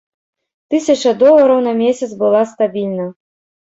Тысяча долараў на месяц была стабільна.